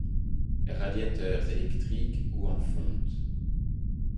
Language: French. radiateurs électriques ou en fontes